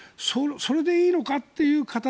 それでいいのかという形。